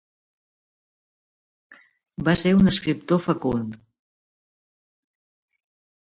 Va ser un escriptor fecund.